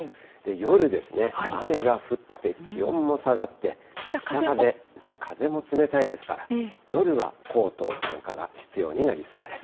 夜ですね、雨が降って気温も下がって、北風、風も冷たいですから、夜はコートなんかが必要になりそうです。